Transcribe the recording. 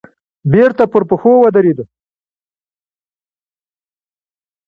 بېرته پر پښو ودرېد.